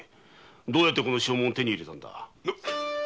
どうやってこの証文を手に入れたんだ？